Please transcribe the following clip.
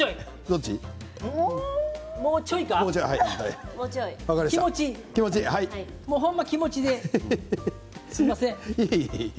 もうちょい気持ちでほんの気持ちですいません。